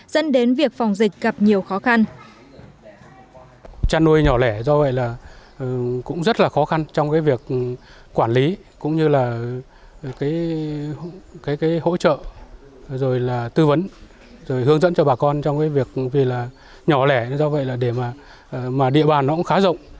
dẫn đến việc phòng dịch gặp nhiều khó khăn